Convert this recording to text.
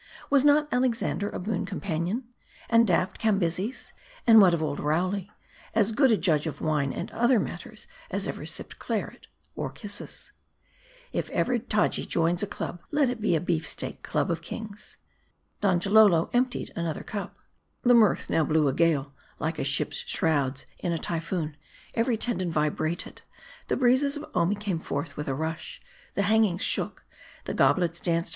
Was not Alexander a boon companion ? And daft Cambyses ? and what of old Rowley, as good a judge of wine and other matters, as ever sipped claret or If ever Taji joins a club, be it a Beef Steak Club of Kings ! Donjalolo emptied yet another cup. The mirth now blew a gale ; like a ship's shrouds in a Typhoon, every tendon vibrated ; the breezes of Omi came forth with a Tush ; the hangings shook ; the goblets danced . M A R D I.